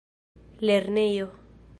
lernejo